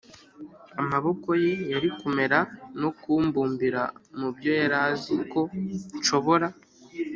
amaboko ye yari kumera no kumbumbira mubyo yari azi ko nshobora.